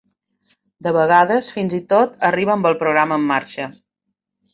De vegades fins i tot arriba amb el programa en marxa.